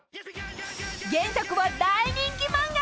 ［原作は大人気漫画］